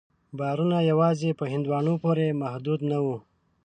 باورونه یوازې په هندوانو پورې محدود نه وو.